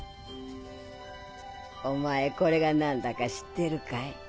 お前これが何だか知ってるかい？